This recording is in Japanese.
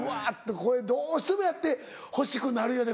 これどうしてもやってほしくなるよね